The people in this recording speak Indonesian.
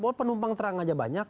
bahwa penumpang terang aja banyak